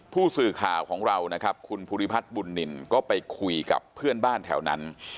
ผู้สื่อข่าวของเรานะครับคุณภูริพัฒน์บุญนินก็ไปคุยกับเพื่อนบ้านแถวนั้น